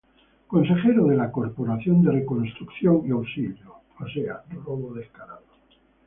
Consejero de la Corporación de Reconstrucción y Auxilio.